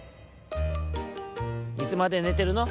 「いつまでねてるの？